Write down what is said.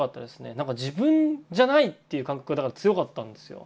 なんか自分じゃないっていう感覚がだから強かったんですよ。